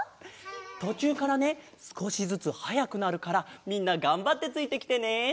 とちゅうからねすこしずつはやくなるからみんながんばってついてきてね！